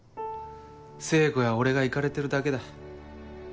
聖子や俺がイカれてるだけだ。